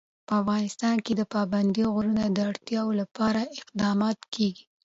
په افغانستان کې د پابندي غرونو د اړتیاوو لپاره اقدامات کېږي.